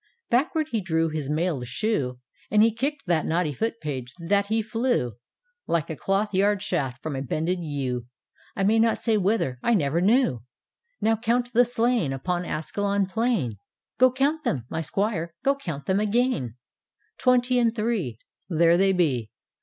Backward he drew His mailed shoe, And he kicked that naughty Foot page, that he flew Like a cloth yard shaft from a bended yew, I may not say whither — I never knew. D,gt,, erihyGOOgle Tke Haunted Hoar " Now count the slain Upon Ascalon plain — Go count them, my Squire, go count them ^ainl "" Twenty and three! There they be.